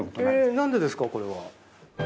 なんでですか、これは。